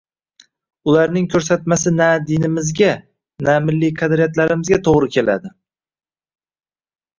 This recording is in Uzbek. Ularning ko‘rsatmasi na dinimizga, na milliy qadriyatlarimizga to‘g‘ri keladi.